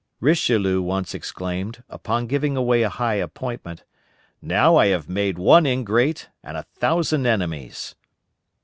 Richelieu once exclaimed, upon giving away a high appointment: "Now I have made one ingrate and a thousand enemies."